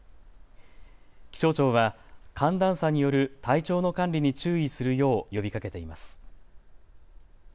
気象庁は寒暖差による体調の管理に注意するよう呼びかけています。